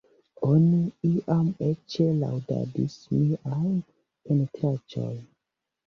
Oni iam eĉ laŭdadis miajn pentraĵojn.